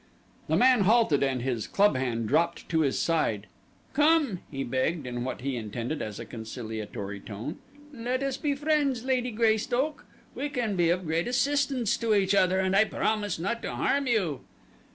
The man halted and his club hand dropped to his side. "Come," he begged in what he intended as a conciliatory tone. "Let us be friends, Lady Greystoke. We can be of great assistance to each other and I promise not to harm you."